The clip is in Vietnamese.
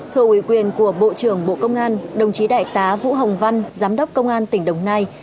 thưa ủy quyền của bộ trưởng bộ công an đồng chí đại tá vũ hồng văn giám đốc công an tỉnh đồng nai